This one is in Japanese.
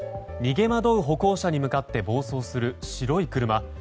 逃げ惑う歩行者に向かって暴走する白い車。